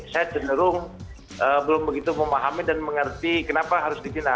saya cenderung belum begitu memahami dan mengerti kenapa harus dipindah